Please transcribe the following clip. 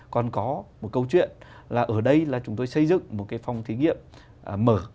còn có một câu chuyện là ở đây là chúng tôi xây dựng một cái phòng thí nghiệm mở